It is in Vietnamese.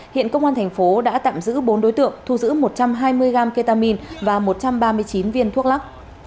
hiện công an thành phố đã tạm giữ bốn đối tượng thu giữ một trăm hai mươi gram ketamine và một trăm ba mươi chín viên thuốc lắc